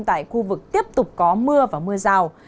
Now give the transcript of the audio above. tại khu vực tiếp tục có mưa và mưa rào